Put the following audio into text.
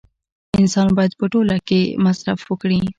انسان باید په ټوله کې مصرف وکړي